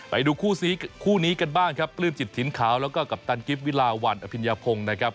ไปดูคู่นี้กันบ้างครับปลื้มจิตถิ่นขาวแล้วก็กัปตันกิฟต์วิลาวันอภิญญาพงศ์นะครับ